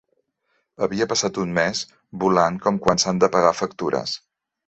Havia passat un mes, volant com quan s'han de pagar factures.